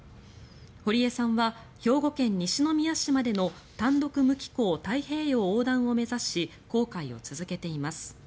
堀江さんは兵庫県西宮市までの単独無寄港太平洋横断を目指し航海を続けています。